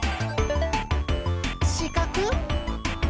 しかく！